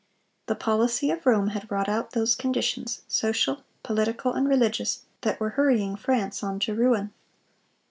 The policy of Rome had wrought out those conditions, social, political, and religious, that were hurrying France on to ruin.